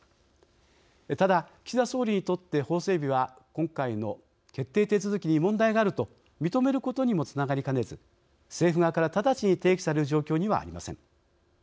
ただ、岸田総理にとって法整備は今回の決定手続きに問題があると認めることにもつながりかねず政府側から直ちに提起される状況にはありません。